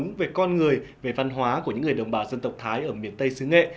câu chuyện về cuộc sống về con người về văn hóa của những người đồng bào dân tộc thái ở miền tây sứ nghệ